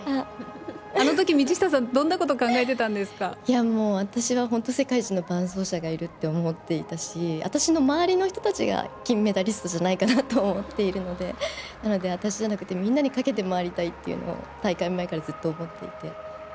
あのとき道下さん、どんなことをもう、私は本当、世界一の伴走者がいるって思っていたし、私の周りの人たちが金メダリストじゃないかなと思っているので、なので私じゃなくてみんなにかけて回りたいっていうのを大会前からずっと思っていて。